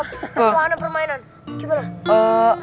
wahana permainan gimana